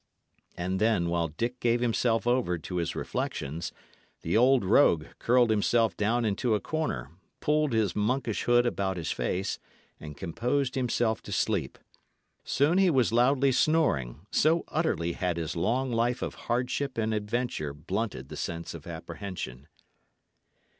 And then, while Dick gave himself over to his reflections, the old rogue curled himself down into a corner, pulled his monkish hood about his face, and composed himself to sleep. Soon he was loudly snoring, so utterly had his long life of hardship and adventure blunted the sense of apprehension.